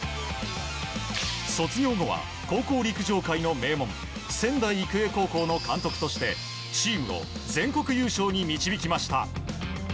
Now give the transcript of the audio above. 卒業後は高校陸上界の名門仙台育英高校の監督としてチームを全国優勝に導きました。